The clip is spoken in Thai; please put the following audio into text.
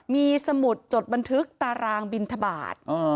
มีสมุดจดบันทึกตารางบินทบาท